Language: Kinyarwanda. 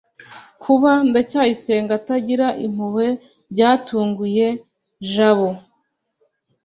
kuba ndacyayisenga atagira impuhwe byatunguye jabo